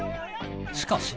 しかし。